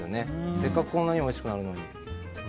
せっかくこんなにおいしくなるのに。